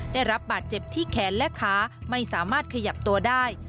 ได้รับบาดเจ็บที่แขนและขาไม่สามารถขยับตัวได้